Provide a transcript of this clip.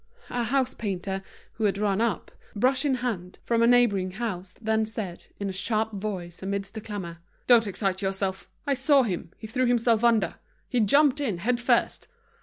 A house painter, who had run up, brush in hand, from a neighboring house, then said, in a sharp voice, amidst the clamor: "Don't excite yourself. I saw him, he threw himself under. He jumped in, head first.